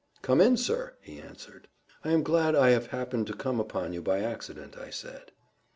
"Come in, sir," he answered. "I am glad I have happened to come upon you by accident," I said.